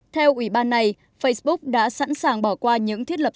theo ủy ban này facebook đã sẵn sàng bỏ qua những thiết lập